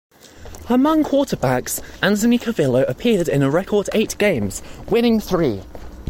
Among quarterbacks, Anthony Calvillo appeared in a record eight games, winning three.